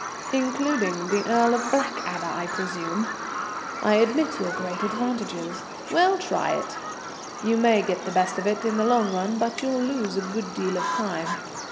"Including the Earl of Blackadder, I presume? I admit your great advantages. Well, try it. You may get the best of it in the long run, but you'll lose a good deal of time.